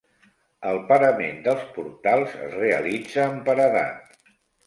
El parament dels portals es realitza amb paredat.